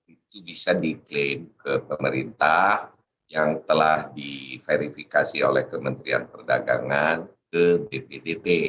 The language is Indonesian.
itu bisa diklaim ke pemerintah yang telah diverifikasi oleh kementerian perdagangan ke bpdp